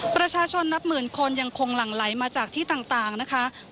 ประชาชนนับหมื่นคนยังคงหลั่งไหลมาจากที่ต่างนะคะ